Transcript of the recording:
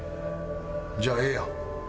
じゃあええやん。